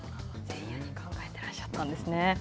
前夜に考えてらっしゃったんですね。